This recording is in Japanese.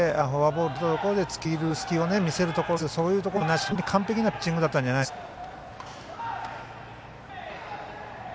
フォアボールが出たところで付け入る隙を見せるところですがそういうところもなしに本当に完璧なピッチングだったんじゃないですかね。